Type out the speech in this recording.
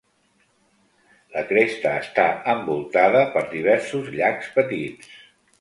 La cresta està envoltada per diversos llacs petits.